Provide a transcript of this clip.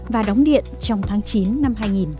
và đóng điện trong tháng chín năm hai nghìn hai mươi